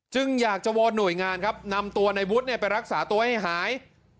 อยากจะวอนหน่วยงานครับนำตัวในวุฒิไปรักษาตัวให้หาย